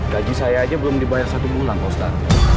gaji saya aja belum dibayar satu pulang pak ustadz